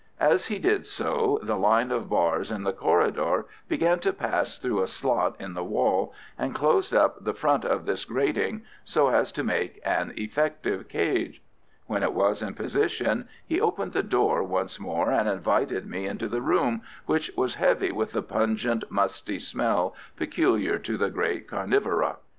As he did so the line of bars in the corridor began to pass through a slot in the wall and closed up the front of this grating, so as to make an effective cage. When it was in position he opened the door once more and invited me into the room, which was heavy with the pungent, musty smell peculiar to the great carnivora.